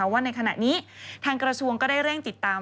ว่าในขณะนี้ทางกระทรวงก็ได้เร่งติดตาม